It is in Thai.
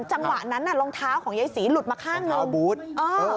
จังหวะนั้นรองเท้าของยายศรีหลุดมาข้างหนึ่ง